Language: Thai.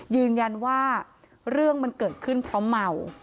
ยืนยันว่าเรื่องมันเกิดขึ้นเพราะเมา